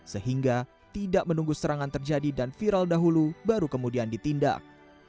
sehingga tidak menunggu serangan terjadi dan viral dahulu baru kemudian ditindak